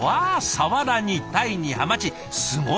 サワラにタイにハマチすごい！